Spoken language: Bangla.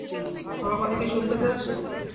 আমার কথা কি শুনতে পেয়েছো?